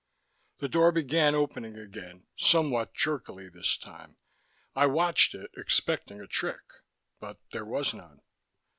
The door began opening again, somewhat jerkily this time. I watched it, expecting a trick, but there was none.